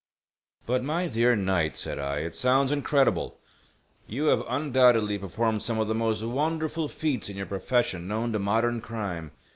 "But, my dear Knight," said I, "it sounds incredible. You have undoubtedly performed some of the most wonderful feats in your profession known to modern crime.